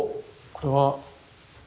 これは？